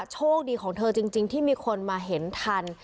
โชคดีของเธอจริงที่มีคนมาเห็นทัน